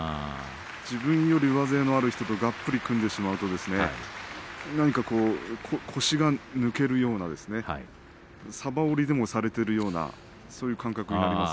自分より上背のある人とがっぷり組んでしまいますと腰が抜けるようなさば折りでもされているようなそんな感覚になります。